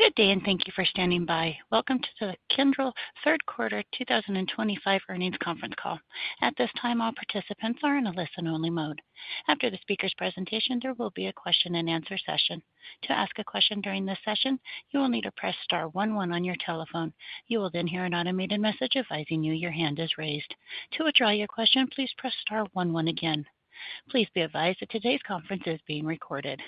Good day, and thank you for standing by. Welcome to the Kyndryl Third Quarter 2025 Earnings Conference Call. At this time, all participants are in a listen-only mode. After the speaker's presentation, there will be a question-and-answer session. To ask a question during this session, you will need to press star 11 on your telephone. You will then hear an automated message advising you your hand is raised. To withdraw your question, please press star 11 again. Please be advised that today's conference is being recorded.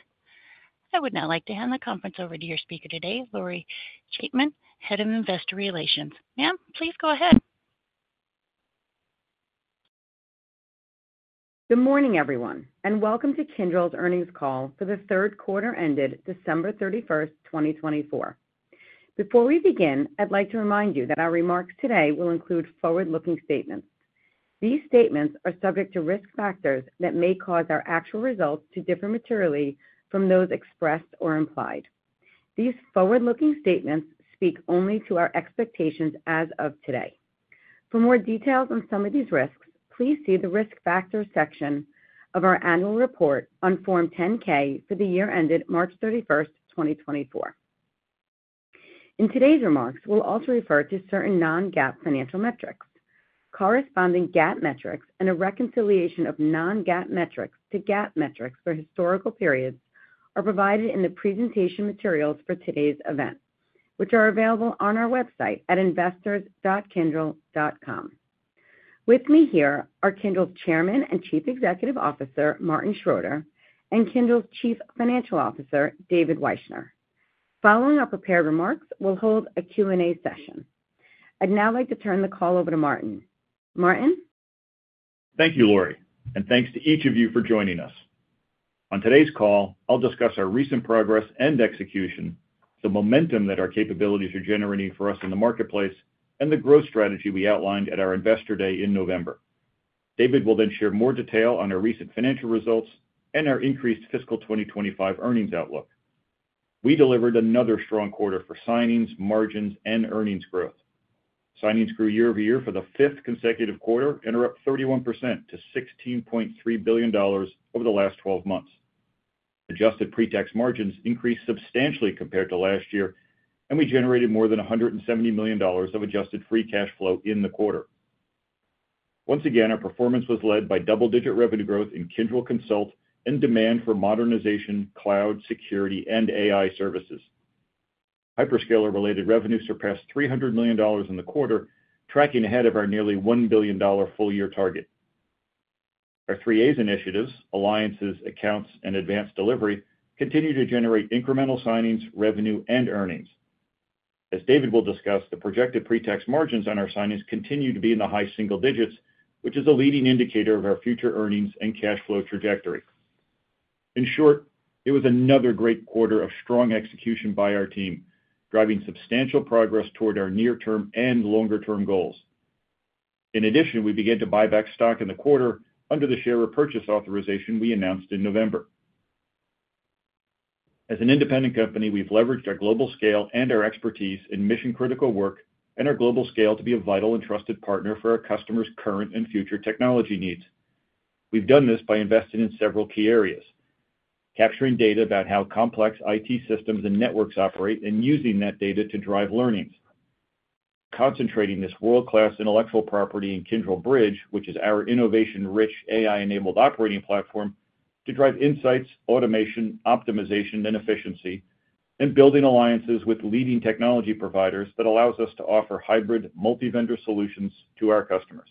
I would now like to hand the conference over to your speaker today, Lori Chaitman, Head of Investor Relations. Ma'am, please go ahead. Good morning, everyone, and welcome to Kyndryl's earnings call for the third quarter ended December 31st, 2024. Before we begin, I'd like to remind you that our remarks today will include forward-looking statements. These statements are subject to risk factors that may cause our actual results to differ materially from those expressed or implied. These forward-looking statements speak only to our expectations as of today. For more details on some of these risks, please see the risk factors section of our annual report on Form 10-K for the year ended March 31st, 2024. In today's remarks, we'll also refer to certain non-GAAP financial metrics. Corresponding GAAP metrics and a reconciliation of non-GAAP metrics to GAAP metrics for historical periods are provided in the presentation materials for today's event, which are available on our website at investors.kyndryl.com. With me here are Kyndryl's Chairman and Chief Executive Officer, Martin Schroeter, and Kyndryl's Chief Financial Officer, David Wyshner. Following our prepared remarks, we'll hold a Q&A session. I'd now like to turn the call over to Martin. Martin? Thank you, Lori, and thanks to each of you for joining us. On today's call, I'll discuss our recent progress and execution, the momentum that our capabilities are generating for us in the marketplace, and the growth strategy we outlined at our Investor Day in November. David will then share more detail on our recent financial results and our increased fiscal 2025 earnings outlook. We delivered another strong quarter for signings, margins, and earnings growth. Signings grew year-over-year for the fifth consecutive quarter and are up 31% to $16.3 billion over the last 12 months. Adjusted pre-tax margins increased substantially compared to last year, and we generated more than $170 million of adjusted free cash flow in the quarter. Once again, our performance was led by double-digit revenue growth in Kyndryl Consult and demand for modernization, cloud, security, and AI services. Hyperscaler-related revenue surpassed $300 million in the quarter, tracking ahead of our nearly $1 billion full-year target. Our 3As initiatives (alliances, accounts, and advanced delivery) continue to generate incremental signings, revenue, and earnings. As David will discuss, the projected pre-tax margins on our signings continue to be in the high single digits, which is a leading indicator of our future earnings and cash flow trajectory. In short, it was another great quarter of strong execution by our team, driving substantial progress toward our near-term and longer-term goals. In addition, we began to buy back stock in the quarter under the share repurchase authorization we announced in November. As an independent company, we've leveraged our global scale and our expertise in mission-critical work and our global scale to be a vital and trusted partner for our customers' current and future technology needs. We've done this by investing in several key areas: capturing data about how complex IT systems and networks operate and using that data to drive learnings. Concentrating this world-class intellectual property in Kyndryl Bridge, which is our innovation-rich, AI-enabled operating platform, to drive insights, automation, optimization, and efficiency. And building alliances with leading technology providers that allow us to offer hybrid, multi-vendor solutions to our customers.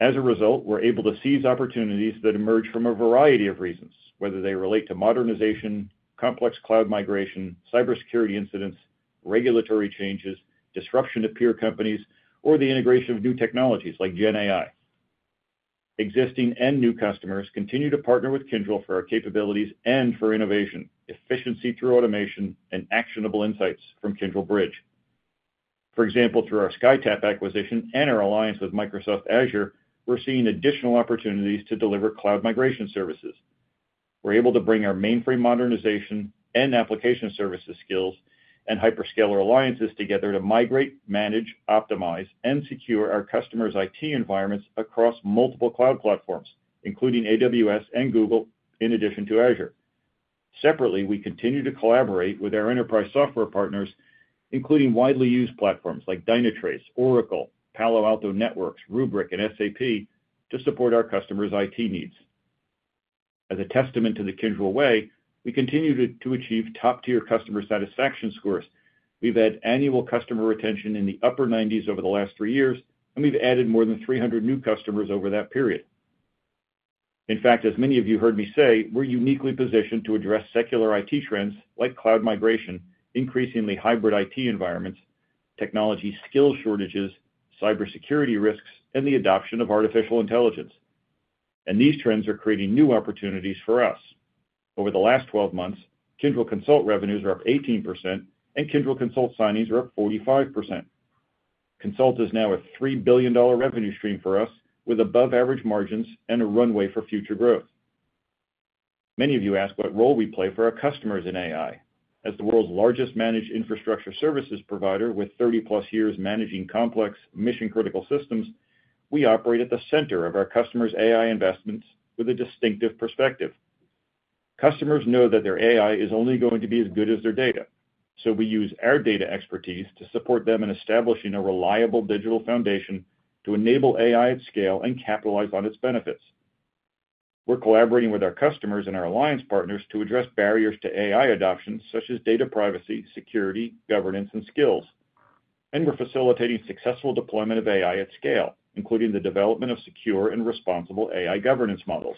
As a result, we're able to seize opportunities that emerge from a variety of reasons, whether they relate to modernization, complex cloud migration, cybersecurity incidents, regulatory changes, disruption to peer companies, or the integration of new technologies like GenAI. Existing and new customers continue to partner with Kyndryl for our capabilities and for innovation, efficiency through automation, and actionable insights from Kyndryl Bridge. For example, through our Skytap acquisition and our alliance with Microsoft Azure, we're seeing additional opportunities to deliver cloud migration services. We're able to bring our mainframe modernization and application services skills and hyperscaler alliances together to migrate, manage, optimize, and secure our customers' IT environments across multiple cloud platforms, including AWS and Google, in addition to Azure. Separately, we continue to collaborate with our enterprise software partners, including widely used platforms like Dynatrace, Oracle, Palo Alto Networks, Rubrik, and SAP, to support our customers' IT needs. As a testament to the Kyndryl way, we continue to achieve top-tier customer satisfaction scores. We've had annual customer retention in the upper 90s over the last three years, and we've added more than 300 new customers over that period. In fact, as many of you heard me say, we're uniquely positioned to address secular IT trends like cloud migration, increasingly hybrid IT environments, technology skill shortages, cybersecurity risks, and the adoption of artificial intelligence. And these trends are creating new opportunities for us. Over the last 12 months, Kyndryl Consult revenues are up 18%, and Kyndryl Consult signings are up 45%. Consult is now a $3 billion revenue stream for us, with above-average margins and a runway for future growth. Many of you ask what role we play for our customers in AI. As the world's largest managed infrastructure services provider with 30-plus years managing complex, mission-critical systems, we operate at the center of our customers' AI investments with a distinctive perspective. Customers know that their AI is only going to be as good as their data, so we use our data expertise to support them in establishing a reliable digital foundation to enable AI at scale and capitalize on its benefits. We're collaborating with our customers and our alliance partners to address barriers to AI adoption, such as data privacy, security, governance, and skills. And we're facilitating successful deployment of AI at scale, including the development of secure and responsible AI governance models.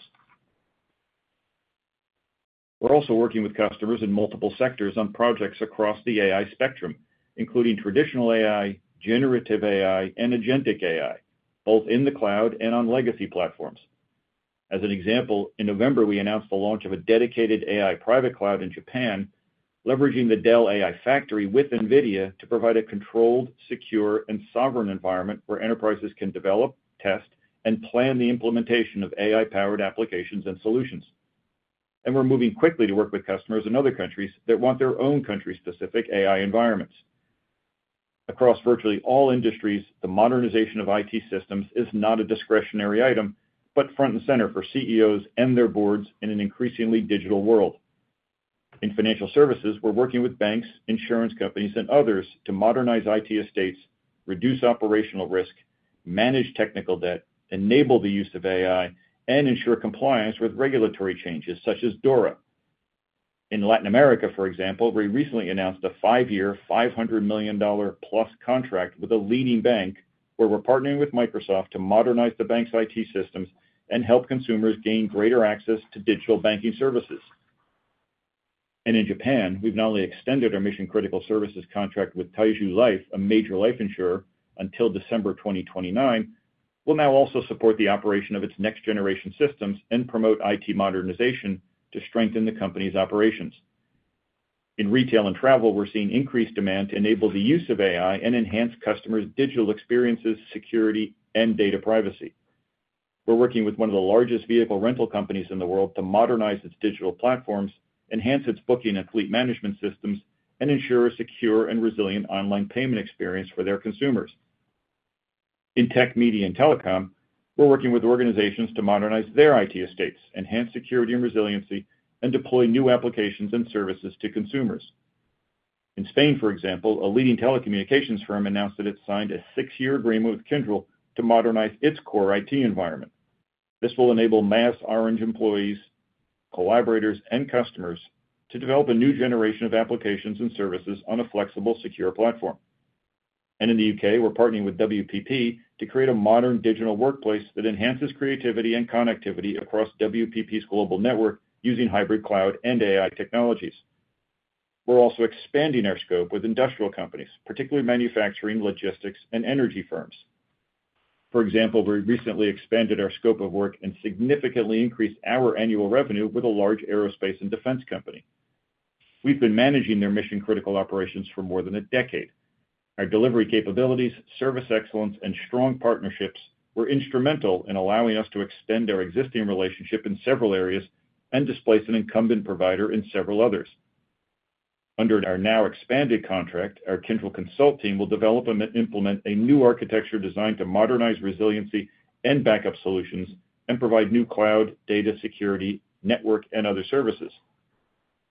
We're also working with customers in multiple sectors on projects across the AI spectrum, including traditional AI, generative AI, and agentic AI, both in the cloud and on legacy platforms. As an example, in November, we announced the launch of a dedicated AI private cloud in Japan, leveraging the Dell AI Factory with NVIDIA to provide a controlled, secure, and sovereign environment where enterprises can develop, test, and plan the implementation of AI-powered applications and solutions. And we're moving quickly to work with customers in other countries that want their own country-specific AI environments. Across virtually all industries, the modernization of IT systems is not a discretionary item but front and center for CEOs and their boards in an increasingly digital world. In financial services, we're working with banks, insurance companies, and others to modernize IT estates, reduce operational risk, manage technical debt, enable the use of AI, and ensure compliance with regulatory changes such as DORA. In Latin America, for example, we recently announced a five-year, $500 million-plus contract with a leading bank where we're partnering with Microsoft to modernize the bank's IT systems and help consumers gain greater access to digital banking services. In Japan, we've not only extended our mission-critical services contract with Taiju Life, a major life insurer until December 2029. We'll now also support the operation of its next-generation systems and promote IT modernization to strengthen the company's operations. In retail and travel, we're seeing increased demand to enable the use of AI and enhance customers' digital experiences, security, and data privacy. We're working with one of the largest vehicle rental companies in the world to modernize its digital platforms, enhance its booking and fleet management systems, and ensure a secure and resilient online payment experience for their consumers. In tech, media, and telecom, we're working with organizations to modernize their IT estates, enhance security and resiliency, and deploy new applications and services to consumers. In Spain, for example, a leading telecommunications firm announced that it signed a six-year agreement with Kyndryl to modernize its core IT environment. This will enable mass R&D employees, collaborators, and customers to develop a new generation of applications and services on a flexible, secure platform, and in the UK, we're partnering with WPP to create a modern digital workplace that enhances creativity and connectivity across WPP's global network using hybrid cloud and AI technologies. We're also expanding our scope with industrial companies, particularly manufacturing, logistics, and energy firms. For example, we recently expanded our scope of work and significantly increased our annual revenue with a large aerospace and defense company. We've been managing their mission-critical operations for more than a decade. Our delivery capabilities, service excellence, and strong partnerships were instrumental in allowing us to extend our existing relationship in several areas and displace an incumbent provider in several others. Under our now expanded contract, our Kyndryl Consult team will develop and implement a new architecture designed to modernize resiliency and backup solutions and provide new cloud, data, security, network, and other services.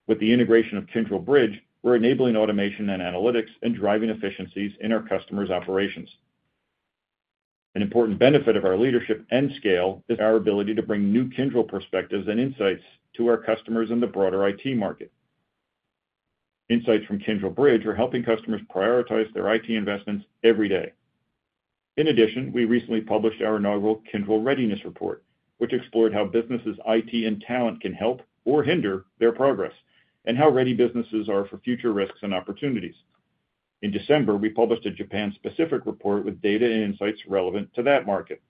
With the integration of Kyndryl Bridge, we're enabling automation and analytics and driving efficiencies in our customers' operations. An important benefit of our leadership and scale is our ability to bring new Kyndryl perspectives and insights to our customers in the broader IT market. Insights from Kyndryl Bridge are helping customers prioritize their IT investments every day. In addition, we recently published our inaugural Kyndryl Readiness Report, which explored how businesses' IT and talent can help or hinder their progress and how ready businesses are for future risks and opportunities. In December, we published a Japan-specific report with data and insights relevant to that market,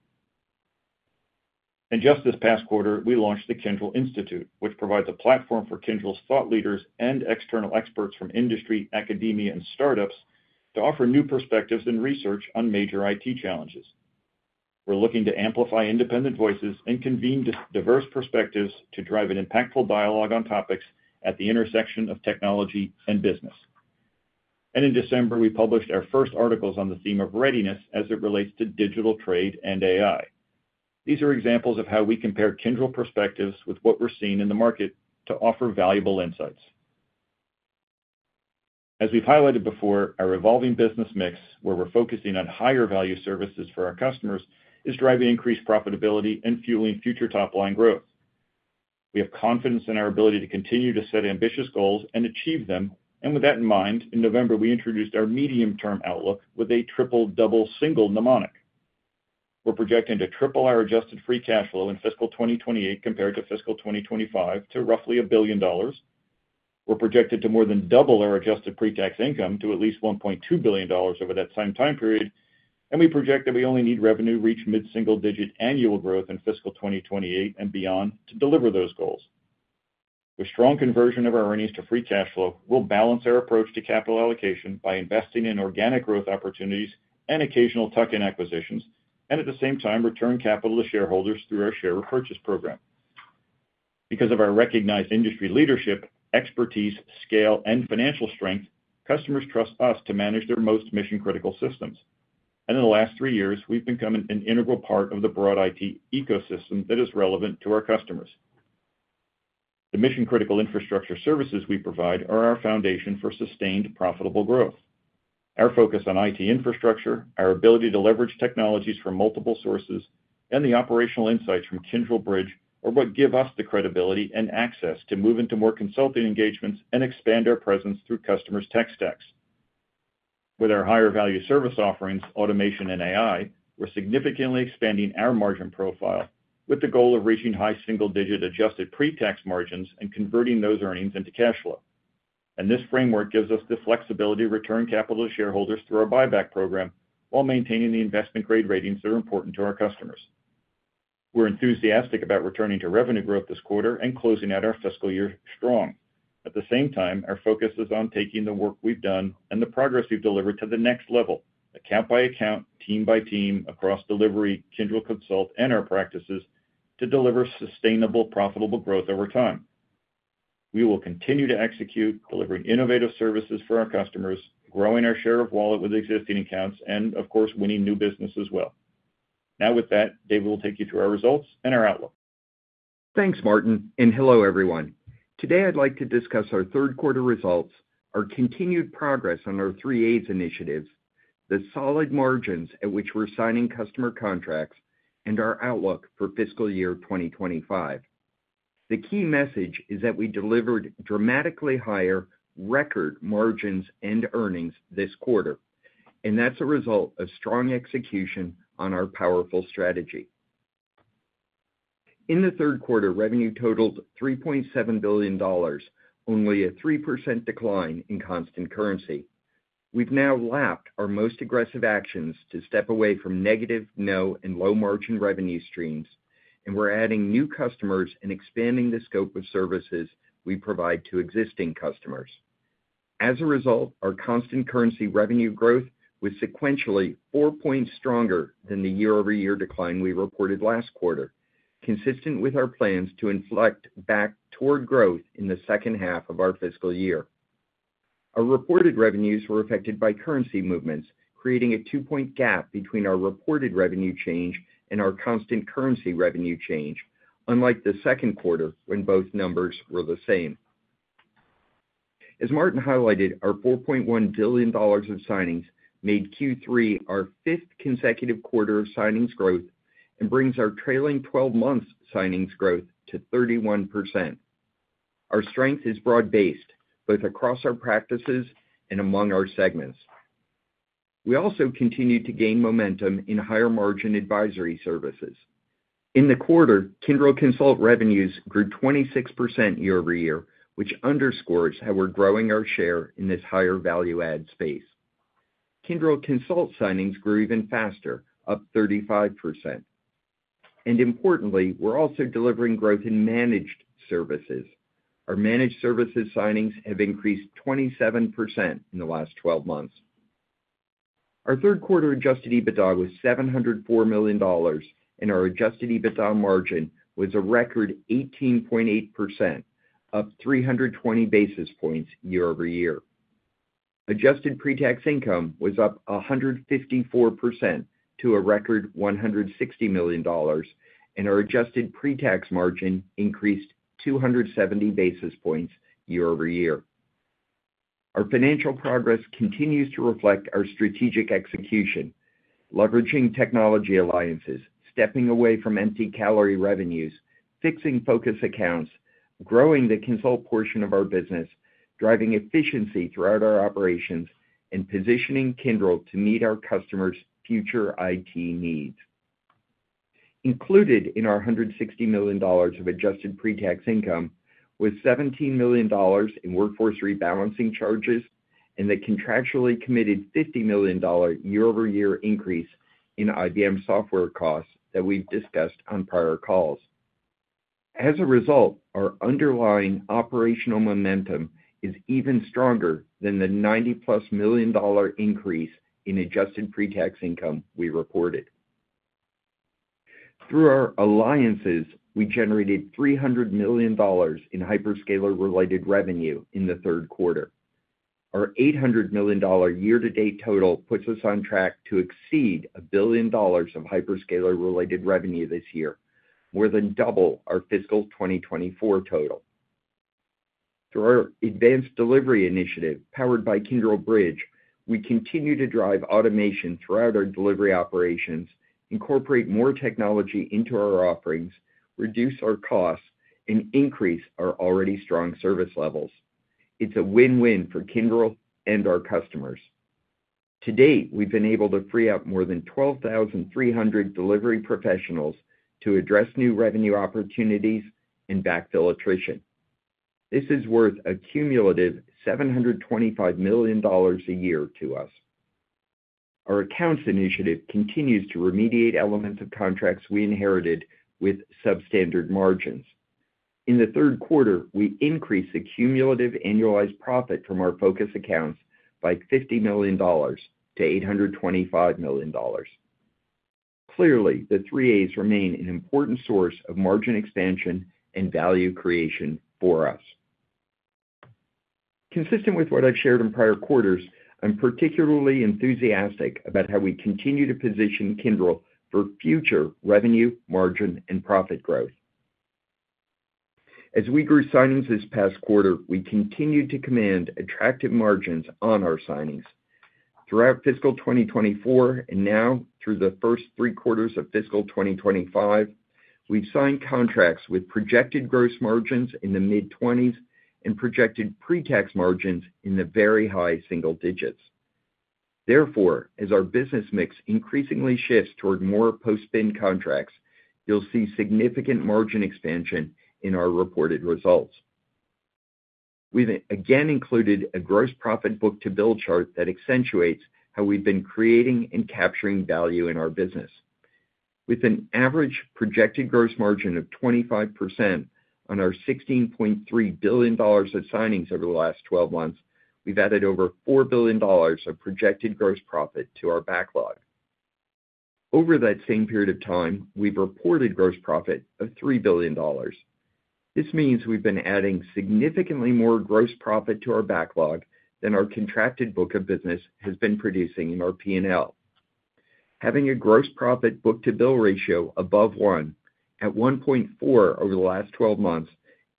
and just this past quarter, we launched the Kyndryl Institute, which provides a platform for Kyndryl's thought leaders and external experts from industry, academia, and startups to offer new perspectives and research on major IT challenges. We're looking to amplify independent voices and convene diverse perspectives to drive an impactful dialogue on topics at the intersection of technology and business. In December, we published our first articles on the theme of readiness as it relates to digital trade and AI. These are examples of how we compare Kyndryl perspectives with what we're seeing in the market to offer valuable insights. As we've highlighted before, our evolving business mix, where we're focusing on higher-value services for our customers, is driving increased profitability and fueling future top-line growth. We have confidence in our ability to continue to set ambitious goals and achieve them. With that in mind, in November, we introduced our medium-term outlook with a triple, double, single mnemonic. We're projecting to triple our adjusted free cash flow in fiscal 2028 compared to fiscal 2025 to roughly $1 billion. We're projected to more than double our adjusted pre-tax income to at least $1.2 billion over that same time period. And we project that we only need revenue to reach mid-single-digit annual growth in fiscal 2028 and beyond to deliver those goals. With strong conversion of our earnings to free cash flow, we'll balance our approach to capital allocation by investing in organic growth opportunities and occasional tuck-in acquisitions and, at the same time, return capital to shareholders through our share repurchase program. Because of our recognized industry leadership, expertise, scale, and financial strength, customers trust us to manage their most mission-critical systems. And in the last three years, we've become an integral part of the broad IT ecosystem that is relevant to our customers. The mission-critical infrastructure services we provide are our foundation for sustained profitable growth. Our focus on IT infrastructure, our ability to leverage technologies from multiple sources, and the operational insights from Kyndryl Bridge are what give us the credibility and access to move into more consulting engagements and expand our presence through customers' tech stacks. With our higher-value service offerings, automation, and AI, we're significantly expanding our margin profile with the goal of reaching high single-digit adjusted pre-tax margins and converting those earnings into cash flow, and this framework gives us the flexibility to return capital to shareholders through our buyback program while maintaining the investment-grade ratings that are important to our customers. We're enthusiastic about returning to revenue growth this quarter and closing out our fiscal year strong. At the same time, our focus is on taking the work we've done and the progress we've delivered to the next level, account by account, team by team, across delivery, Kyndryl Consult, and our practices to deliver sustainable, profitable growth over time. We will continue to execute, delivering innovative services for our customers, growing our share of wallet with existing accounts, and, of course, winning new business as well. Now, with that, David, we'll take you through our results and our outlook. Thanks, Martin. And hello, everyone. Today, I'd like to discuss our third-quarter results, our continued progress on our 3As initiatives, the solid margins at which we're signing customer contracts, and our outlook for fiscal year 2025. The key message is that we delivered dramatically higher record margins and earnings this quarter, and that's a result of strong execution on our powerful strategy. In the third quarter, revenue totaled $3.7 billion, only a 3% decline in constant currency. We've now lapped our most aggressive actions to step away from negative, no, and low-margin revenue streams, and we're adding new customers and expanding the scope of services we provide to existing customers. As a result, our constant currency revenue growth was sequentially four points stronger than the year-over-year decline we reported last quarter, consistent with our plans to inflect back toward growth in the second half of our fiscal year. Our reported revenues were affected by currency movements, creating a two-point gap between our reported revenue change and our constant currency revenue change, unlike the second quarter when both numbers were the same. As Martin highlighted, our $4.1 billion of signings made Q3 our fifth consecutive quarter of signings growth and brings our trailing 12 months' signings growth to 31%. Our strength is broad-based, both across our practices and among our segments. We also continue to gain momentum in higher-margin advisory services. In the quarter, Kyndryl Consult revenues grew 26% year-over-year, which underscores how we're growing our share in this higher value-add space. Kyndryl Consult signings grew even faster, up 35%. And importantly, we're also delivering growth in managed services. Our managed services signings have increased 27% in the last 12 months. Our third-quarter Adjusted EBITDA was $704 million, and our Adjusted EBITDA margin was a record 18.8%, up 320 basis points year-over-year. Adjusted pre-tax income was up 154% to a record $160 million, and our adjusted pre-tax margin increased 270 basis points year-over-year. Our financial progress continues to reflect our strategic execution, leveraging technology alliances, stepping away from empty calorie revenues, fixing focus accounts, growing the consult portion of our business, driving efficiency throughout our operations, and positioning Kyndryl to meet our customers' future IT needs. Included in our $160 million of adjusted pre-tax income was $17 million in workforce rebalancing charges and the contractually committed $50 million year-over-year increase in IBM software costs that we've discussed on prior calls. As a result, our underlying operational momentum is even stronger than the $90-plus million increase in adjusted pre-tax income we reported. Through our alliances, we generated $300 million in hyperscaler-related revenue in the third quarter. Our $800 million year-to-date total puts us on track to exceed $1 billion of hyperscaler-related revenue this year, more than double our fiscal 2024 total. Through our advanced delivery initiative powered by Kyndryl Bridge, we continue to drive automation throughout our delivery operations, incorporate more technology into our offerings, reduce our costs, and increase our already strong service levels. It's a win-win for Kyndryl and our customers. To date, we've been able to free up more than 12,300 delivery professionals to address new revenue opportunities and backfill attrition. This is worth a cumulative $725 million a year to us. Our accounts initiative continues to remediate elements of contracts we inherited with substandard margins. In the third quarter, we increased the cumulative annualized profit from our focus accounts by $50 million-$825 million. Clearly, the 3A's remain an important source of margin expansion and value creation for us. Consistent with what I've shared in prior quarters, I'm particularly enthusiastic about how we continue to position Kyndryl for future revenue, margin, and profit growth. As we grew signings this past quarter, we continued to command attractive margins on our signings. Throughout fiscal 2024 and now through the first three quarters of fiscal 2025, we've signed contracts with projected gross margins in the mid-20s% and projected pre-tax margins in the very high single digits%. Therefore, as our business mix increasingly shifts toward more post-bid contracts, you'll see significant margin expansion in our reported results. We've again included a gross profit book-to-bill chart that accentuates how we've been creating and capturing value in our business. With an average projected gross margin of 25% on our $16.3 billion of signings over the last 12 months, we've added over $4 billion of projected gross profit to our backlog. Over that same period of time, we've reported gross profit of $3 billion. This means we've been adding significantly more gross profit to our backlog than our contracted book of business has been producing in our P&L. Having a gross profit book-to-bill ratio above one at 1.4 over the last 12 months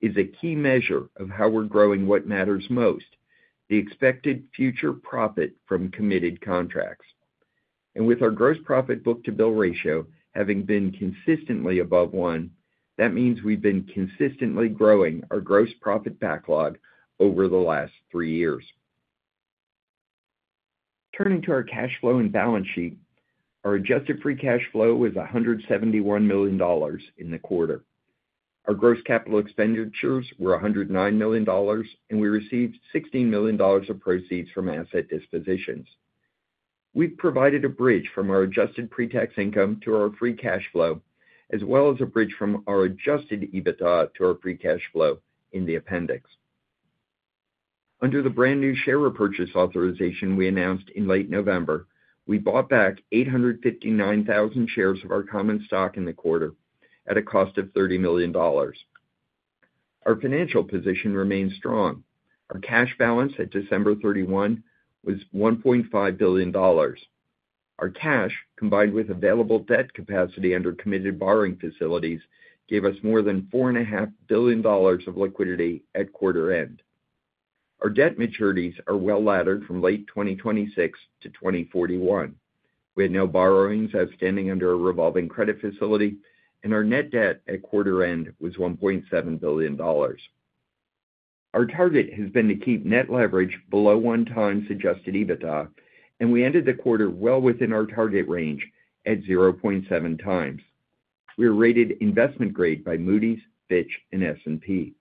is a key measure of how we're growing what matters most: the expected future profit from committed contracts. And with our gross profit book-to-bill ratio having been consistently above one, that means we've been consistently growing our gross profit backlog over the last three years. Turning to our cash flow and balance sheet, our adjusted free cash flow was $171 million in the quarter. Our gross capital expenditures were $109 million, and we received $16 million of proceeds from asset dispositions. We've provided a bridge from our adjusted pre-tax income to our free cash flow, as well as a bridge from our adjusted EBITDA to our free cash flow in the appendix. Under the brand new share repurchase authorization we announced in late November, we bought back 859,000 shares of our common stock in the quarter at a cost of $30 million. Our financial position remains strong. Our cash balance at December 31 was $1.5 billion. Our cash, combined with available debt capacity under committed borrowing facilities, gave us more than $4.5 billion of liquidity at quarter end. Our debt maturities are well laddered from late 2026 to 2041. We had no borrowings outstanding under a revolving credit facility, and our net debt at quarter end was $1.7 billion. Our target has been to keep net leverage below one times adjusted EBITDA, and we ended the quarter well within our target range at 0.7 times. We are rated investment-grade by Moody's, Fitch, and S&P.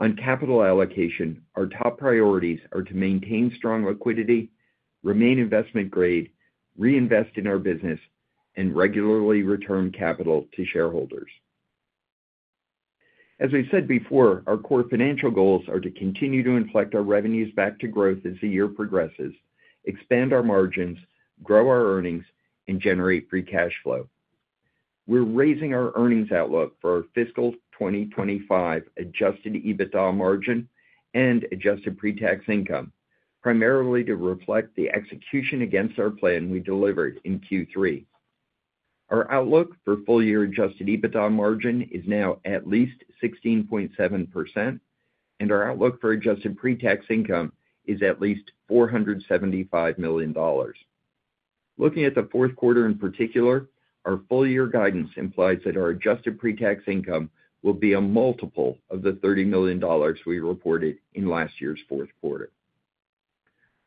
On capital allocation, our top priorities are to maintain strong liquidity, remain investment-grade, reinvest in our business, and regularly return capital to shareholders. As we said before, our core financial goals are to continue to inflect our revenues back to growth as the year progresses, expand our margins, grow our earnings, and generate free cash flow. We're raising our earnings outlook for our fiscal 2025 adjusted EBITDA margin and adjusted pre-tax income, primarily to reflect the execution against our plan we delivered in Q3. Our outlook for full-year adjusted EBITDA margin is now at least 16.7%, and our outlook for adjusted pre-tax income is at least $475 million. Looking at the fourth quarter in particular, our full-year guidance implies that our adjusted pre-tax income will be a multiple of the $30 million we reported in last year's fourth quarter.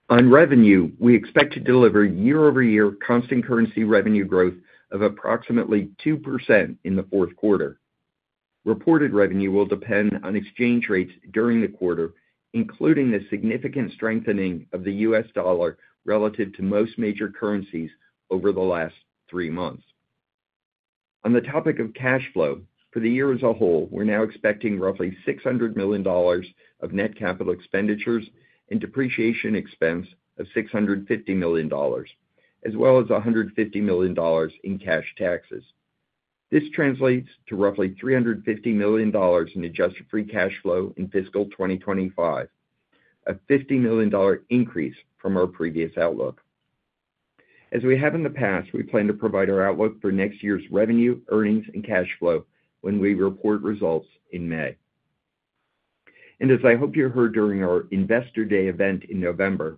On revenue, we expect to deliver year-over-year constant currency revenue growth of approximately 2% in the fourth quarter. Reported revenue will depend on exchange rates during the quarter, including the significant strengthening of the U.S. dollar relative to most major currencies over the last three months. On the topic of cash flow, for the year as a whole, we're now expecting roughly $600 million of net capital expenditures and depreciation expense of $650 million, as well as $150 million in cash taxes. This translates to roughly $350 million in adjusted free cash flow in fiscal 2025, a $50 million increase from our previous outlook. As we have in the past, we plan to provide our outlook for next year's revenue, earnings, and cash flow when we report results in May. And as I hope you heard during our Investor Day event in November,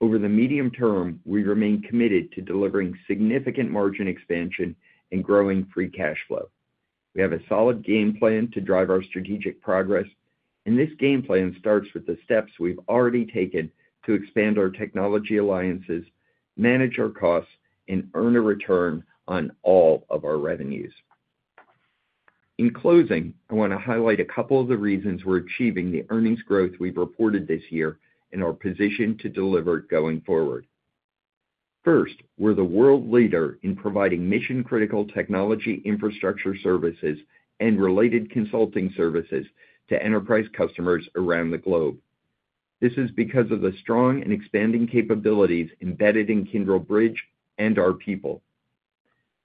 over the medium term, we remain committed to delivering significant margin expansion and growing free cash flow. We have a solid game plan to drive our strategic progress, and this game plan starts with the steps we've already taken to expand our technology alliances, manage our costs, and earn a return on all of our revenues. In closing, I want to highlight a couple of the reasons we're achieving the earnings growth we've reported this year and our position to deliver going forward. First, we're the world leader in providing mission-critical technology infrastructure services and related consulting services to enterprise customers around the globe. This is because of the strong and expanding capabilities embedded in Kyndryl Bridge and our people,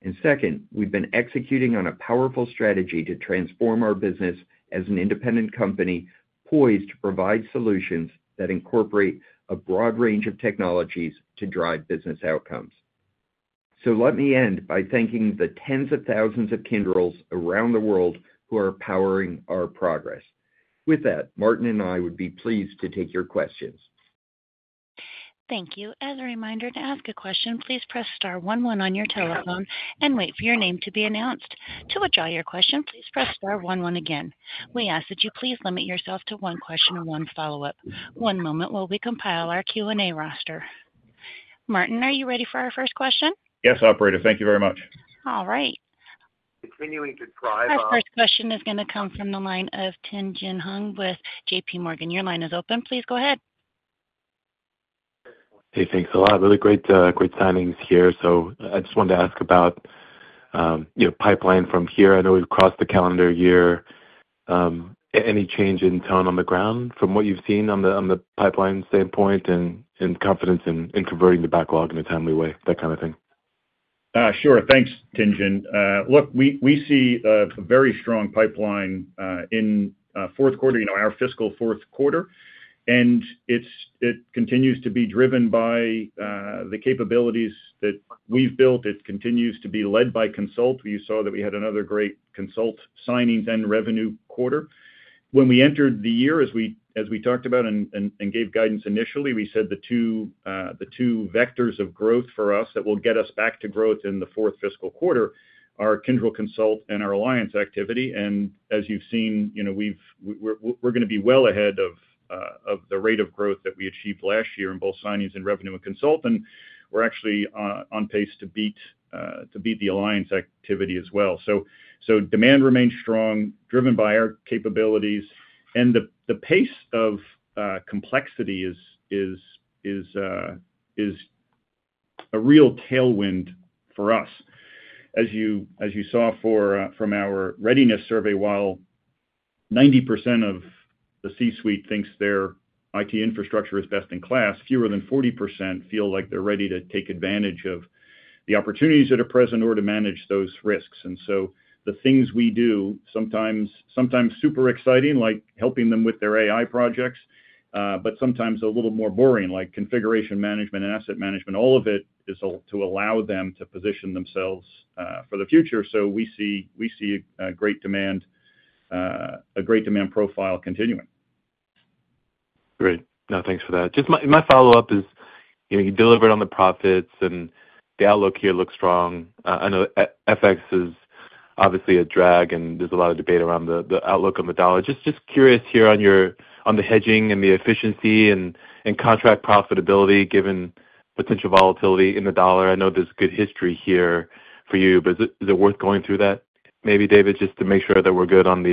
and second, we've been executing on a powerful strategy to transform our business as an independent company poised to provide solutions that incorporate a broad range of technologies to drive business outcomes, so let me end by thanking the tens of thousands of Kyndryls around the world who are powering our progress. With that, Martin and I would be pleased to take your questions. Thank you. As a reminder, to ask a question, please press star 11 on your telephone and wait for your name to be announced. To withdraw your question, please press star 11 again. We ask that you please limit yourself to one question and one follow-up. One moment while we compile our Q&A roster. Martin, are you ready for our first question? Yes, Operator. Thank you very much. All right. Our first question is going to come from the line of Tien-Tsin Huang with JPMorgan. Your line is open. Please go ahead. Hey, thanks a lot. Really great signings here. So I just wanted to ask about pipeline from here. I know we've crossed the calendar year. Any change in tone on the ground from what you've seen on the pipeline standpoint and confidence in converting the backlog in a timely way, that kind of thing? Sure. Thanks, Tien-Tsin. Look, we see a very strong pipeline in fourth quarter, our fiscal fourth quarter. And it continues to be driven by the capabilities that we've built. It continues to be led by Consult. You saw that we had another great Consult signings and revenue quarter. When we entered the year, as we talked about and gave guidance initially, we said the two vectors of growth for us that will get us back to growth in the fourth fiscal quarter are Kyndryl Consult and our alliance activity. And as you've seen, we're going to be well ahead of the rate of growth that we achieved last year in both signings and revenue and consult. And we're actually on pace to beat the alliance activity as well. So demand remains strong, driven by our capabilities. And the pace of complexity is a real tailwind for us. As you saw from our readiness survey, while 90% of the C-suite thinks their IT infrastructure is best in class, fewer than 40% feel like they're ready to take advantage of the opportunities that are present or to manage those risks. And so the things we do, sometimes super exciting, like helping them with their AI projects, but sometimes a little more boring, like configuration management and asset management, all of it is to allow them to position themselves for the future. So we see a great demand profile continuing. Great. No, thanks for that. Just my follow-up is you delivered on the profits, and the outlook here looks strong. I know FX is obviously a drag, and there's a lot of debate around the outlook on the dollar. Just curious here on the hedging and the efficiency and contract profitability given potential volatility in the dollar. I know there's good history here for you, but is it worth going through that, maybe, David, just to make sure that we're good on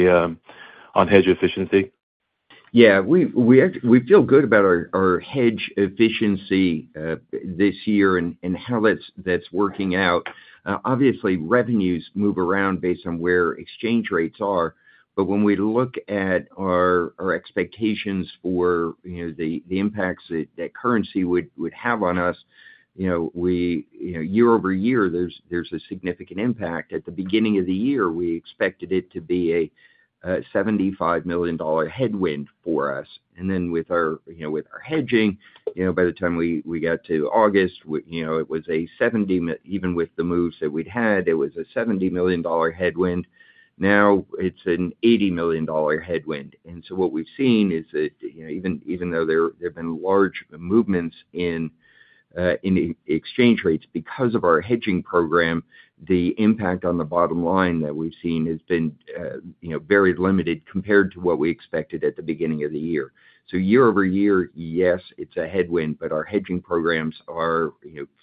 hedge efficiency? Yeah. We feel good about our hedge efficiency this year and how that's working out. Obviously, revenues move around based on where exchange rates are. But when we look at our expectations for the impacts that currency would have on us, year-over-year, there's a significant impact. At the beginning of the year, we expected it to be a $75 million headwind for us. And then with our hedging, by the time we got to August, it was a 70, even with the moves that we'd had, it was a $70 million headwind. Now it's an $80 million headwind. And so what we've seen is that even though there have been large movements in exchange rates because of our hedging program, the impact on the bottom line that we've seen has been very limited compared to what we expected at the beginning of the year. So year-over-year, yes, it's a headwind, but our hedging programs are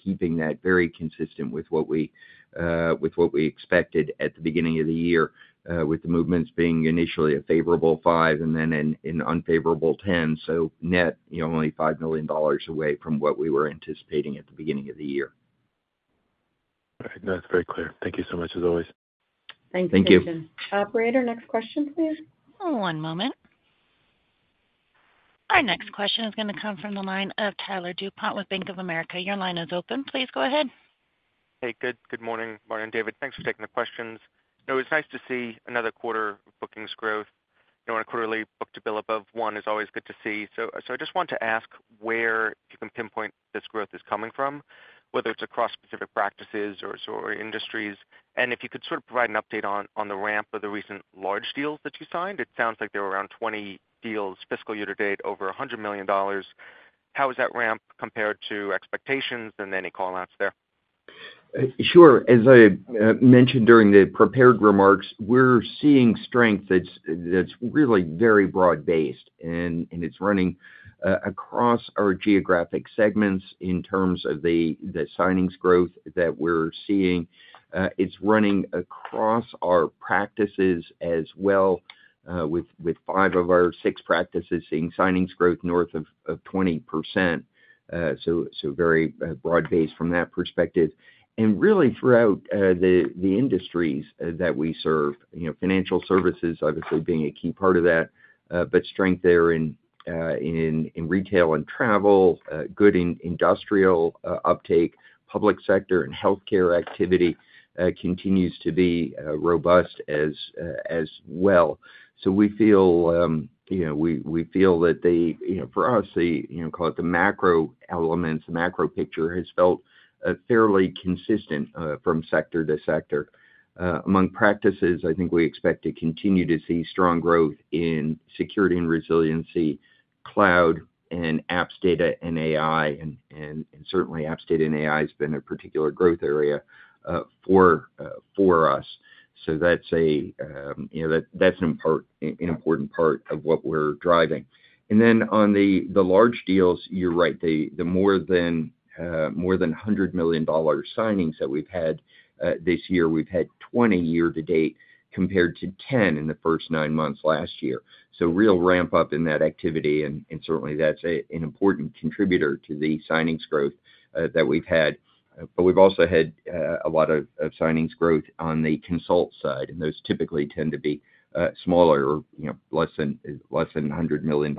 keeping that very consistent with what we expected at the beginning of the year, with the movements being initially a favorable five and then an unfavorable 10. So net, only $5 million away from what we were anticipating at the beginning of the year. All right. No, that's very clear. Thank you so much, as always. Thank you. Thank you. Thank you. Operator, next question, please. One moment. Our next question is going to come from the line of Tyler DuPont with Bank of America. Your line is open. Please go ahead. Hey, good. Good morning, Martin. David, thanks for taking the questions. It was nice to see another quarter of bookings growth. On a quarterly book-to-bill above one is always good to see. So I just want to ask where you can pinpoint this growth is coming from, whether it's across specific practices or industries. And if you could sort of provide an update on the ramp of the recent large deals that you signed. It sounds like there were around 20 deals fiscal year to date over $100 million. How is that ramp compared to expectations and any callouts there? Sure. As I mentioned during the prepared remarks, we're seeing strength that's really very broad-based, and it's running across our geographic segments in terms of the signings growth that we're seeing. It's running across our practices as well, with five of our six practices seeing signings growth north of 20%. So very broad-based from that perspective. And really, throughout the industries that we serve, financial services, obviously, being a key part of that, but strength there in retail and travel, good industrial uptake, public sector, and healthcare activity continues to be robust as well. So we feel that for us, call it the macro elements, the macro picture has felt fairly consistent from sector to sector. Among practices, I think we expect to continue to see strong growth in security and resiliency, cloud, and apps data and AI. And certainly, apps data and AI has been a particular growth area for us. So that's an important part of what we're driving. And then on the large deals, you're right, the more than $100 million signings that we've had this year, we've had 20 year-to-date compared to 10 in the first nine months last year. So real ramp up in that activity. And certainly, that's an important contributor to the signings growth that we've had. But we've also had a lot of signings growth on the consult side. And those typically tend to be smaller or less than $100 million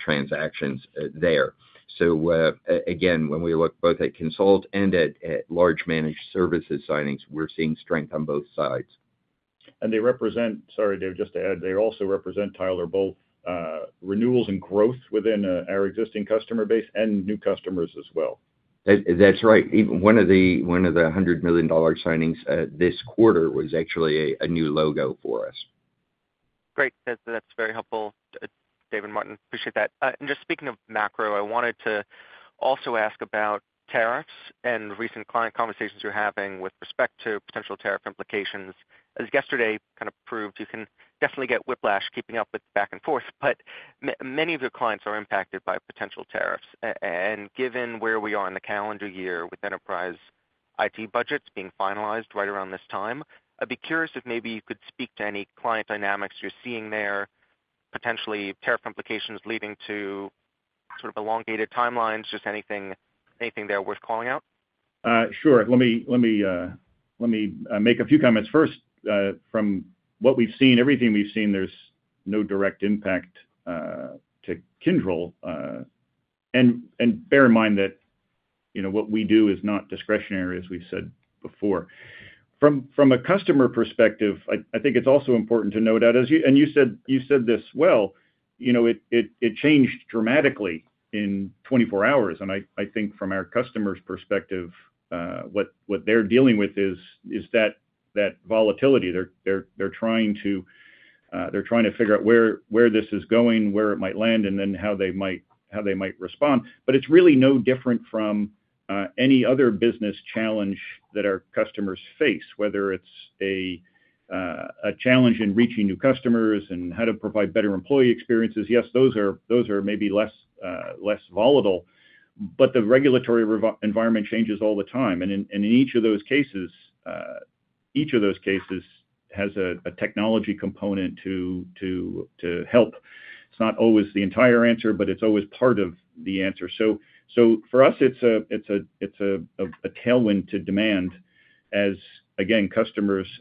transactions there. So again, when we look both at consult and at large managed services signings, we're seeing strength on both sides. And they represent, sorry, David, just to add, they also represent, Tyler, both renewals and growth within our existing customer base and new customers as well. That's right. One of the $100 million signings this quarter was actually a new logo for us. Great. That's very helpful, David and Martin. Appreciate that. And just speaking of macro, I wanted to also ask about tariffs and recent client conversations you're having with respect to potential tariff implications. As yesterday kind of proved, you can definitely get whiplash keeping up with back and forth. But many of your clients are impacted by potential tariffs. And given where we are in the calendar year with enterprise IT budgets being finalized right around this time, I'd be curious if maybe you could speak to any client dynamics you're seeing there, potentially tariff implications leading to sort of elongated timelines, just anything there worth calling out? Sure. Let me make a few comments. First, from what we've seen, everything we've seen, there's no direct impact to Kyndryl. And bear in mind that what we do is not discretionary, as we said before. From a customer perspective, I think it's also important to note out, and you said this well, it changed dramatically in 24 hours. And I think from our customer's perspective, what they're dealing with is that volatility. They're trying to figure out where this is going, where it might land, and then how they might respond. But it's really no different from any other business challenge that our customers face, whether it's a challenge in reaching new customers and how to provide better employee experiences. Yes, those are maybe less volatile. But the regulatory environment changes all the time. And in each of those cases, each of those cases has a technology component to help. It's not always the entire answer, but it's always part of the answer. So for us, it's a tailwind to demand as, again,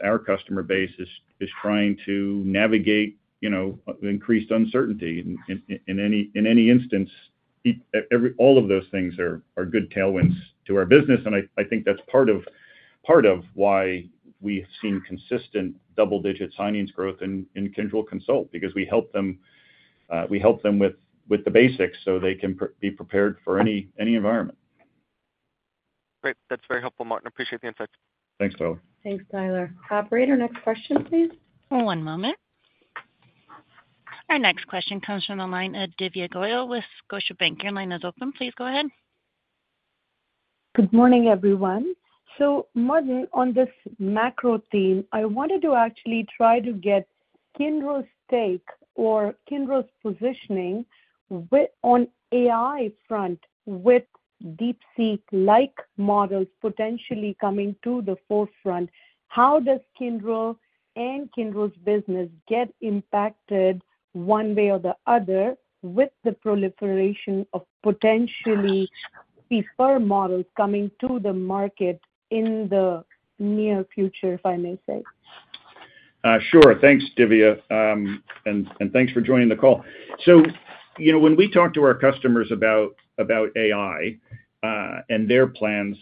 our customer base is trying to navigate increased uncertainty. In any instance, all of those things are good tailwinds to our business. And I think that's part of why we've seen consistent double-digit signings growth in Kyndryl Consult, because we help them with the basics so they can be prepared for any environment. Great. That's very helpful, Martin. Appreciate the insights. Thanks, Tyler. Thanks, Tyler. Operator, next question, please. One moment. Our next question comes from the line of Divya Goyal with Scotiabank. Your line is open. Please go ahead. Good morning, everyone. So Martin, on this macro theme, I wanted to actually try to get Kyndryl's take or Kyndryl's positioning on AI front with DeepSeek-like models potentially coming to the forefront. How does Kyndryl and Kyndryl's business get impacted one way or the other with the proliferation of potentially deeper models coming to the market in the near future, if I may say? Sure. Thanks, Divya. And thanks for joining the call. When we talk to our customers about AI and their plans,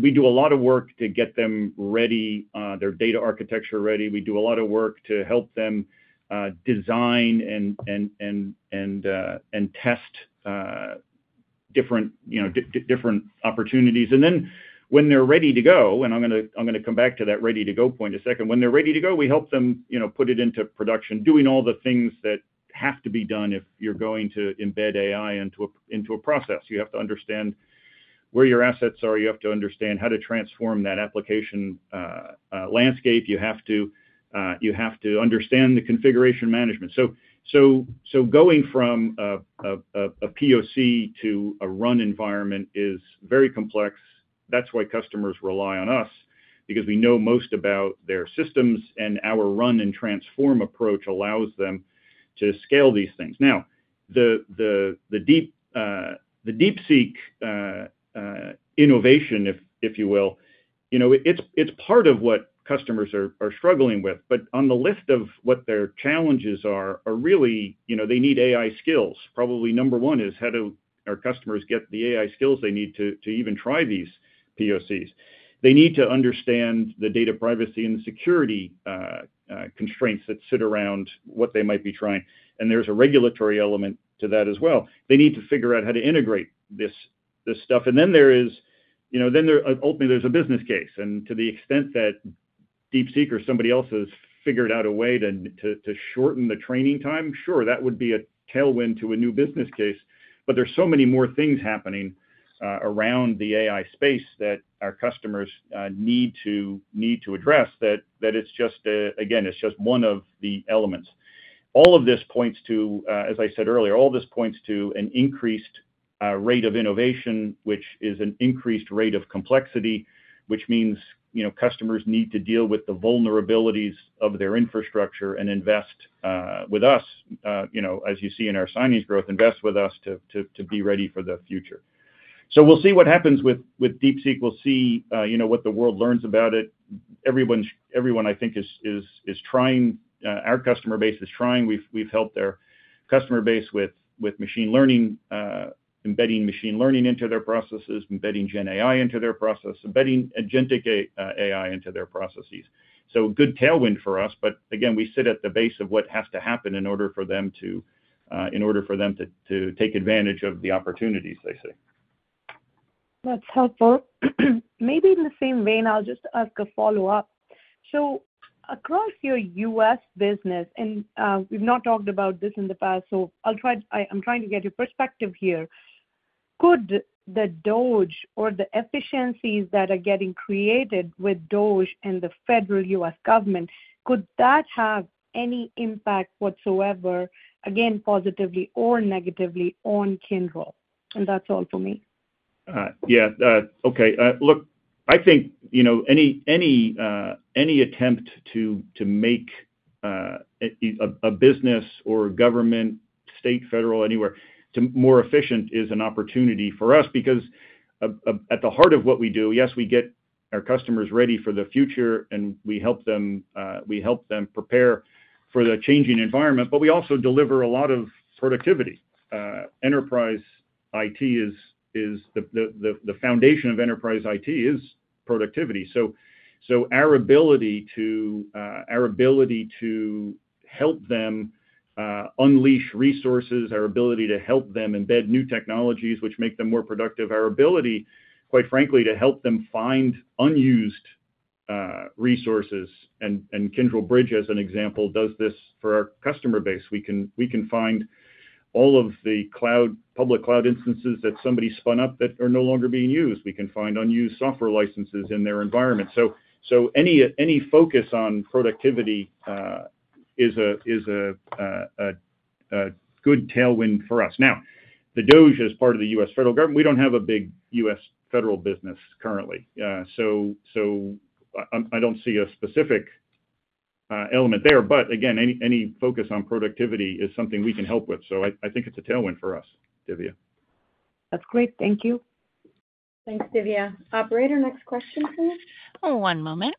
we do a lot of work to get their data architecture ready. We do a lot of work to help them design and test different opportunities. Then when they're ready to go, and I'm going to come back to that ready-to-go point in a second, when they're ready to go, we help them put it into production, doing all the things that have to be done if you're going to embed AI into a process. You have to understand where your assets are. You have to understand how to transform that application landscape. You have to understand the configuration management. Going from a POC to a run environment is very complex. That's why customers rely on us, because we know most about their systems. And our run and transform approach allows them to scale these things. Now, the DeepSeek innovation, if you will, it's part of what customers are struggling with. But on the list of what their challenges are, really, they need AI skills. Probably number one is how do our customers get the AI skills they need to even try these POCs? They need to understand the data privacy and the security constraints that sit around what they might be trying. And there's a regulatory element to that as well. They need to figure out how to integrate this stuff. And then there is, then ultimately, there's a business case. And to the extent that DeepSeek or somebody else has figured out a way to shorten the training time, sure, that would be a tailwind to a new business case. But there's so many more things happening around the AI space that our customers need to address that it's just, again, it's just one of the elements. All of this points to, as I said earlier, all this points to an increased rate of innovation, which is an increased rate of complexity, which means customers need to deal with the vulnerabilities of their infrastructure and invest with us, as you see in our signings growth, invest with us to be ready for the future. So we'll see what happens with DeepSeek. We'll see what the world learns about it. Everyone, I think, is trying. Our customer base is trying. We've helped their customer base with embedding machine learning into their processes, embedding GenAI into their process, embedding agentic AI into their processes. So good tailwind for us. But again, we sit at the base of what has to happen in order for them to take advantage of the opportunities they say. That's helpful. Maybe in the same vein, I'll just ask a follow-up. So across your U.S. business, and we've not talked about this in the past, so I'm trying to get your perspective here. Could the DOGE or the efficiencies that are getting created with DOGE and the federal U.S. government have any impact whatsoever, again, positively or negatively, on Kyndryl? And that's all for me. Yeah. Okay. Look, I think any attempt to make a business or government, state, federal, anywhere more efficient is an opportunity for us because at the heart of what we do, yes, we get our customers ready for the future, and we help them prepare for the changing environment. But we also deliver a lot of productivity. Enterprise IT is the foundation of productivity. So our ability to help them unleash resources, our ability to help them embed new technologies, which make them more productive, our ability, quite frankly, to help them find unused resources. And Kyndryl Bridge, as an example, does this for our customer base. We can find all of the public cloud instances that somebody spun up that are no longer being used. We can find unused software licenses in their environment. So any focus on productivity is a good tailwind for us. Now, the DOGE, as part of the U.S. federal government, we don't have a big U.S. federal business currently. So I don't see a specific element there. But again, any focus on productivity is something we can help with. So I think it's a tailwind for us, Divya. That's great. Thank you. Thanks, Divya. Operator, next question, please. One moment.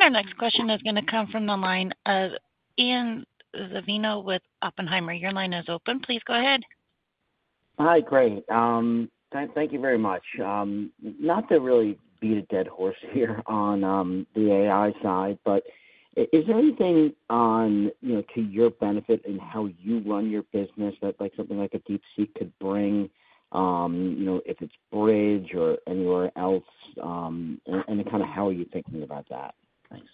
Our next question is going to come from the line of Ian Zaffino with Oppenheimer. Your line is open. Please go ahead. Hi. Great. Thank you very much. Not to really beat a dead horse here on the AI side, but is there anything to your benefit in how you run your business that something like a DeepSeek could bring, if it's Bridge or anywhere else, and kind of how are you thinking about that? Thanks.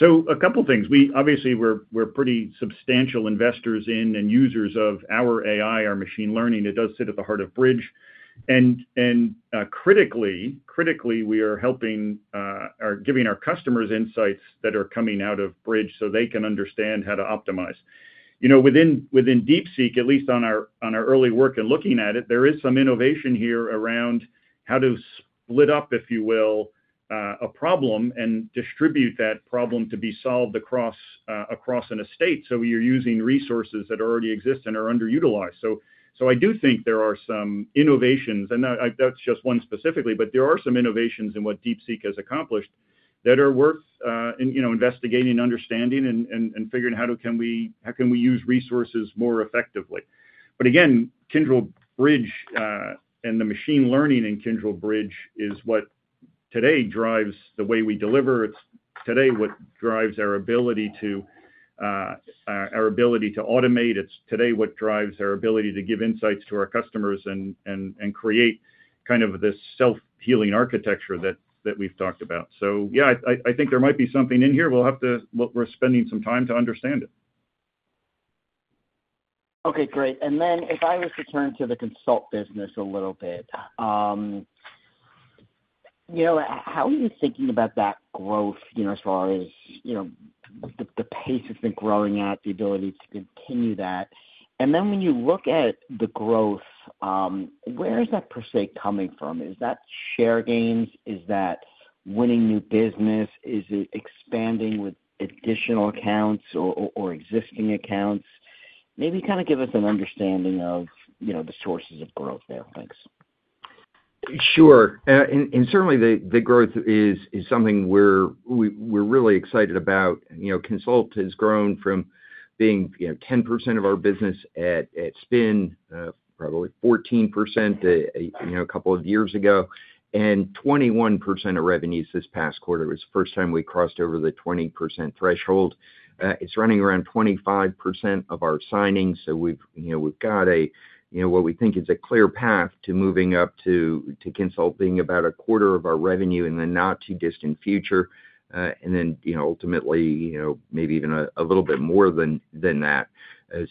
A couple of things. Obviously, we're pretty substantial investors in and users of our AI, our machine learning. It does sit at the heart of Bridge. And critically, we are giving our customers insights that are coming out of Bridge so they can understand how to optimize. Within DeepSeek, at least on our early work and looking at it, there is some innovation here around how to split up, if you will, a problem and distribute that problem to be solved across an estate. So you're using resources that already exist and are underutilized. So I do think there are some innovations. And that's just one specifically. But there are some innovations in what DeepSeek has accomplished that are worth investigating and understanding and figuring out how can we use resources more effectively. But again, Kyndryl Bridge and the machine learning in Kyndryl Bridge is what today drives the way we deliver. It's today what drives our ability to automate. It's today what drives our ability to give insights to our customers and create kind of this self-healing architecture that we've talked about. So, yeah, I think there might be something in here we'll have to. We're spending some time to understand it. Okay. Great, and then if I was to turn to the consult business a little bit, how are you thinking about that growth as far as the pace it's been growing at, the ability to continue that? And then when you look at the growth, where is that per se coming from? Is that share gains? Is that winning new business? Is it expanding with additional accounts or existing accounts? Maybe kind of give us an understanding of the sources of growth there. Thanks. Sure, and certainly, the growth is something we're really excited about. Consult has grown from being 10% of our business at spin, probably 14% a couple of years ago, and 21% of revenues this past quarter. It was the first time we crossed over the 20% threshold. It's running around 25% of our signings. So we've got what we think is a clear path to moving up to Consult being about a quarter of our revenue in the not-too-distant future, and then ultimately, maybe even a little bit more than that.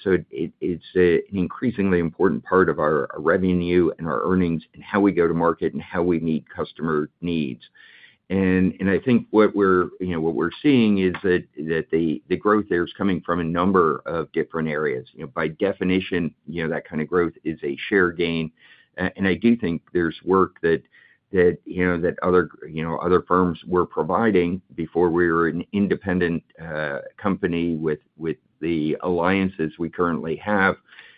So it's an increasingly important part of our revenue and our earnings and how we go to market and how we meet customer needs. And I think what we're seeing is that the growth there is coming from a number of different areas. By definition, that kind of growth is a share gain. And I do think there's work that other firms were providing before we were an independent company with the alliances we currently have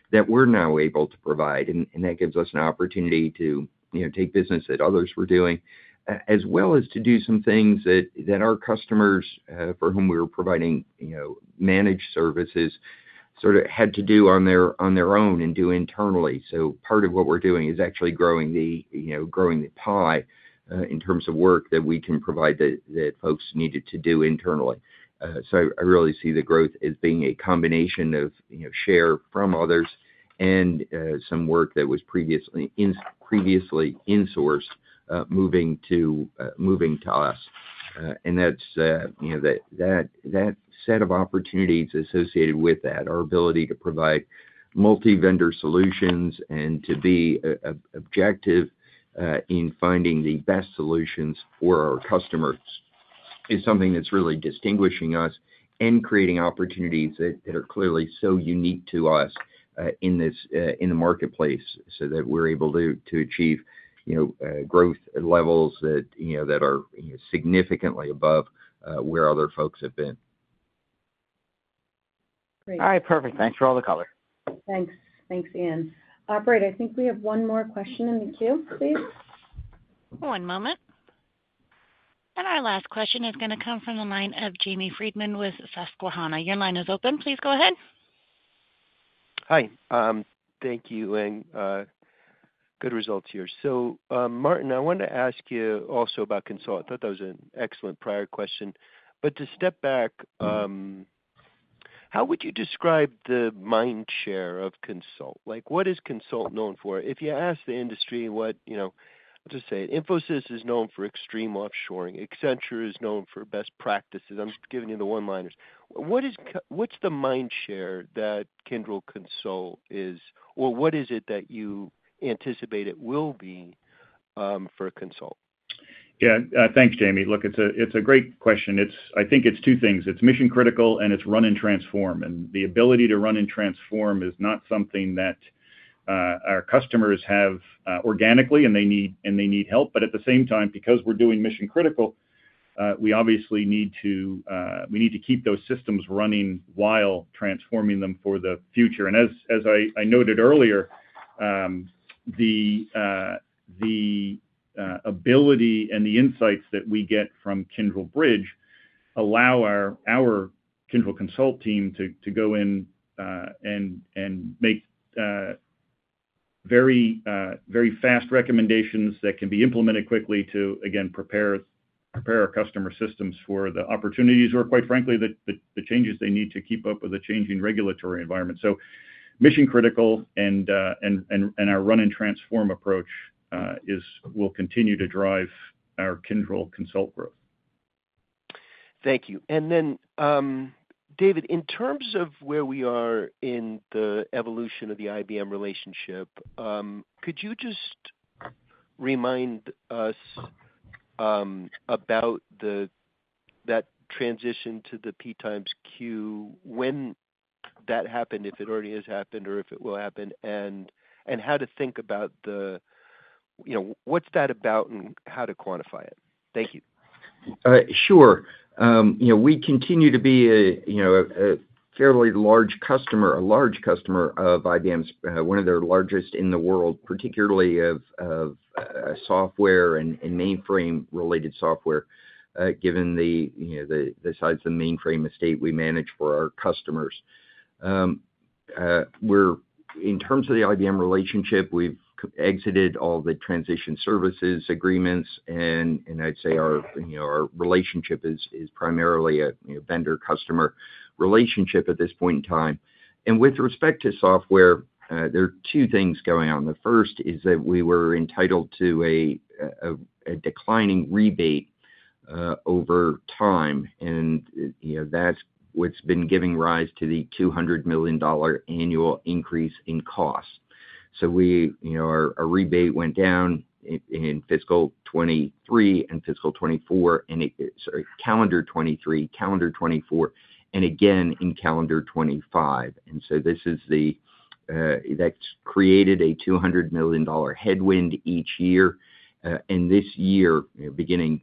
that we're now able to provide. And that gives us an opportunity to take business that others were doing, as well as to do some things that our customers for whom we were providing managed services sort of had to do on their own and do internally. So part of what we're doing is actually growing the pie in terms of work that we can provide that folks needed to do internally. So I really see the growth as being a combination of share from others and some work that was previously insourced moving to us. And that's that set of opportunities associated with that. Our ability to provide multi-vendor solutions and to be objective in finding the best solutions for our customers is something that's really distinguishing us and creating opportunities that are clearly so unique to us in the marketplace so that we're able to achieve growth levels that are significantly above where other folks have been. Great. All right. Perfect. Thanks for all the color. Thanks. Thanks, Ian. Operator, I think we have one more question in the queue, please. One moment. And our last question is going to come from the line of Jamie Friedman with Susquehanna. Your line is open. Please go ahead. Hi. Thank you. And good results here. So Martin, I wanted to ask you also about consult. I thought that was an excellent prior question. But to step back, how would you describe the mind share of consult? What is consult known for? If you ask the industry what, I'll just say, Infosys is known for extreme offshoring. Accenture is known for best practices. I'm just giving you the one-liners. What's the mind share that Kyndryl Consult is, or what is it that you anticipate it will be for consult? Yeah. Thanks, Jamie. Look, it's a great question. I think it's two things. It's mission-critical, and it's run and transform. And the ability to run and transform is not something that our customers have organically, and they need help. But at the same time, because we're doing mission-critical, we obviously need to keep those systems running while transforming them for the future. And as I noted earlier, the ability and the insights that we get from Kyndryl Bridge allow our Kyndryl Consult team to go in and make very fast recommendations that can be implemented quickly to, again, prepare our customer systems for the opportunities or, quite frankly, the changes they need to keep up with the changing regulatory environment, so mission-critical, and our run and transform approach will continue to drive our Kyndryl Consult growth. Thank you. And then, David, in terms of where we are in the evolution of the IBM relationship, could you just remind us about that transition to the P times Q, when that happened, if it already has happened or if it will happen, and how to think about what that's about and how to quantify it? Thank you. Sure. We continue to be a fairly large customer, a large customer of IBM's, one of their largest in the world, particularly of software and mainframe-related software, given the size of the mainframe estate we manage for our customers. In terms of the IBM relationship, we've exited all the transition services agreements. And I'd say our relationship is primarily a vendor-customer relationship at this point in time. And with respect to software, there are two things going on. The first is that we were entitled to a declining rebate over time. And that's what's been giving rise to the $200 million annual increase in cost. So our rebate went down in fiscal 2023 and fiscal 2024, and sorry, calendar 2023, calendar 2024, and again in calendar 2025. And so this is what's created a $200 million headwind each year. And this year, beginning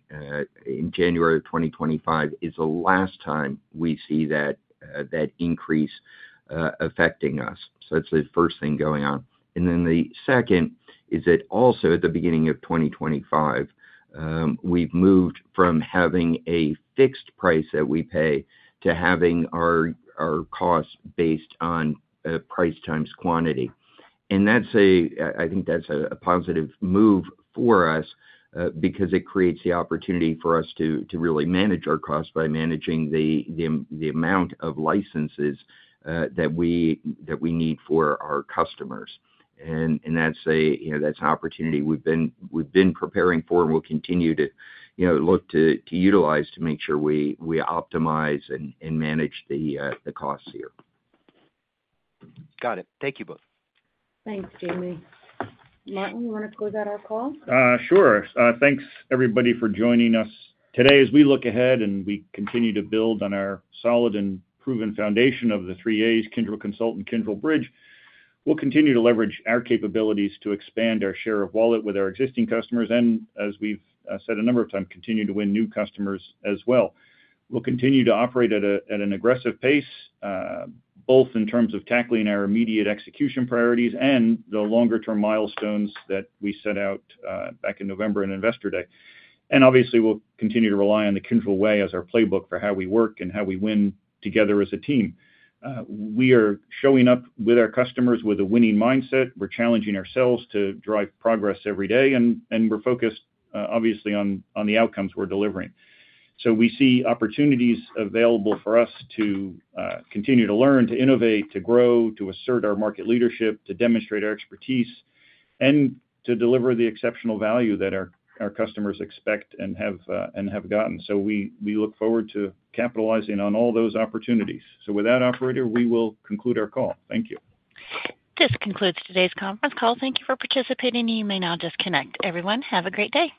in January of 2025, is the last time we see that increase affecting us. So that's the first thing going on. And then the second is that also at the beginning of 2025, we've moved from having a fixed price that we pay to having our cost based on price times quantity. And I think that's a positive move for us because it creates the opportunity for us to really manage our costs by managing the amount of licenses that we need for our customers. And that's an opportunity we've been preparing for and we'll continue to look to utilize to make sure we optimize and manage the costs here. Got it. Thank you both. Thanks, Jamie. Martin, you want to close out our call? Sure. Thanks, everybody, for joining us today. As we look ahead and we continue to build on our solid and proven foundation of the 3As, Kyndryl Consult and Kyndryl Bridge, we'll continue to leverage our capabilities to expand our share of wallet with our existing customers and, as we've said a number of times, continue to win new customers as well. We'll continue to operate at an aggressive pace, both in terms of tackling our immediate execution priorities and the longer-term milestones that we set out back in November on Investor Day. And obviously, we'll continue to rely on the Kyndryl Way as our playbook for how we work and how we win together as a team. We are showing up with our customers with a winning mindset. We're challenging ourselves to drive progress every day. And we're focused, obviously, on the outcomes we're delivering. So we see opportunities available for us to continue to learn, to innovate, to grow, to assert our market leadership, to demonstrate our expertise, and to deliver the exceptional value that our customers expect and have gotten. So we look forward to capitalizing on all those opportunities. So with that, Operator, we will conclude our call. Thank you. This concludes today's conference call. Thank you for participating. You may now disconnect. Everyone, have a great day.